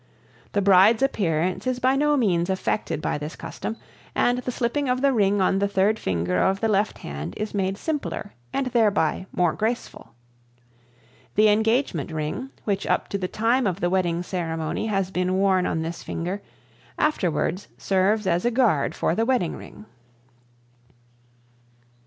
The bride's appearance is by no means affected by this custom, and the slipping of the ring on the third finger of the left hand is made simpler and thereby more graceful. The engagement ring, which up to the time of the wedding ceremony has been worn on this finger, afterwards serves as a guard for the wedding ring.